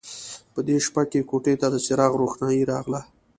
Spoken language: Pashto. په دې شېبه کې کوټې ته د څراغ روښنايي راغله